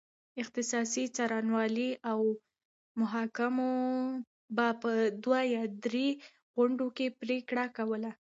اختصاصي څارنوالۍ او محاکمو به په دوه یا درې غونډو کې پرېکړه کوله.